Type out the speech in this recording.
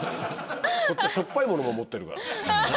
こっちはしょっぱいものも持ってるから。